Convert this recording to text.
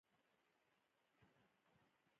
آیا سرحدونه دې د سولې نه وي؟